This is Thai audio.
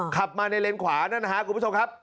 ขับมาในเลนขวานั่นนะครับคุณผู้ชมครับ